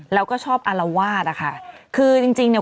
แล้วก็ชอบอารวาสนะคะคือจริงจริงเนี่ย